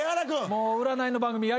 もう占いの番組。